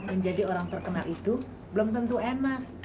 menjadi orang terkenal itu belum tentu enak